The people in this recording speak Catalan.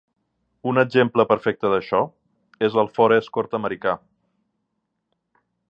Un exemple perfecte d'això és el Ford Escort americà.